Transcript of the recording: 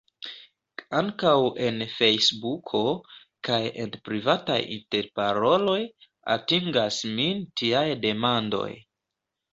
Ankaŭ en Fejsbuko, kaj en privataj interparoloj, atingas min tiaj demandoj.